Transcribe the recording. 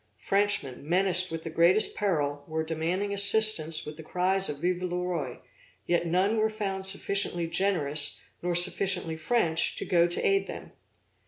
Frenchmen, menaced with the greatest peril, were demanding assistance with the cries of Vive le Roi; yet none were found sufficiently generous nor sufficiently French, to go to aid them.